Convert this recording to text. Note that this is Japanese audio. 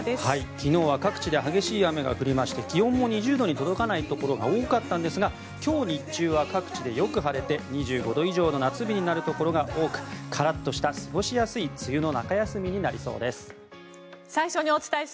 昨日は各地で激しい雨が降りまして気温も２０度に届かないところが多かったんですが今日日中は各地でよく晴れて２５度以上の夏日になるところが多くカラッとした過ごしやすい梅雨の中休みになりそうです。